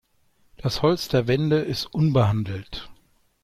Das Holz der Wände ist unbehandelt.